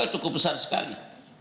cukup besar sekali